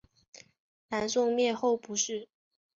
南宋灭后不仕。